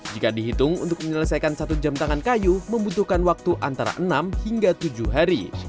jika dihitung untuk menyelesaikan satu jam tangan kayu membutuhkan waktu antara enam hingga tujuh hari